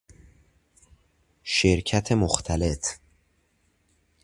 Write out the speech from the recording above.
شرکت مختلط